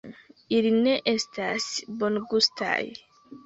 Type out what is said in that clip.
Ili ne estas bongustaj